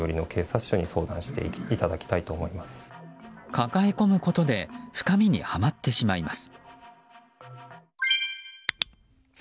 抱え込むことで深みに、はまってしまいます。